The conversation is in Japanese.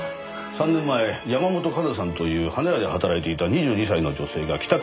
３年前山本香奈さんという花屋で働いていた２２歳の女性が帰宅